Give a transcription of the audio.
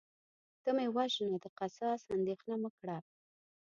ته مې وژنه د قصاص اندیښنه مه کړه